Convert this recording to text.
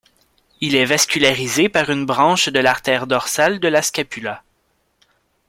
Il est vascularisé par une branche de l'artère dorsale de la scapula.